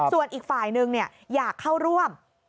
ส่วนอีกฝ่ายนึงอยากเข้าร่วม